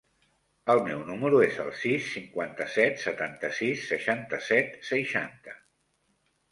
El meu número es el sis, cinquanta-set, setanta-sis, seixanta-set, seixanta.